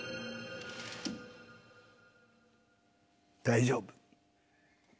大丈夫。